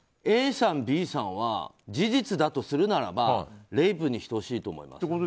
Ａさん、Ｂさんは事実だとするならばレイプに等しいと思います。